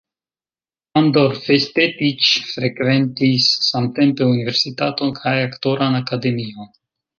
Andor Festetics frekventis samtempe universitaton kaj aktoran akademion.